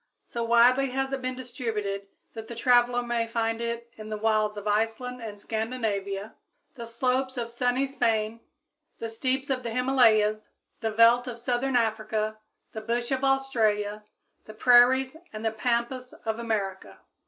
So widely has it been distributed that the traveler may find it in the wilds of Iceland and Scandinavia, the slopes of sunny Spain, the steeps of the Himalayas, the veldt of southern Africa, the bush of Australia, the prairies and the pampas of America.